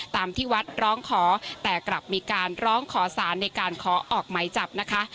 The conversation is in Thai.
ตามที่วัดร้องขอแต่กลับมีการร้องขอสารในการขอออกไหมจับนะคะ